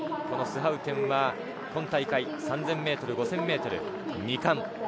このスハウテンは今大会、３０００ｍ、５０００ｍで２冠。